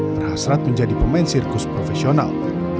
berhasrat menjadi pemain sirkus profesional